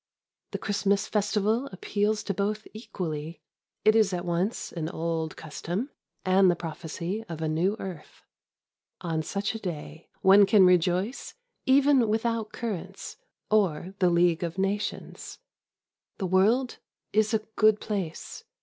The Christmas festival appeals to both equally. It is at once an old custom and the prophecy of a new earth. On such a day one can rejoice even without currants or the League of Nations. The world is a good place.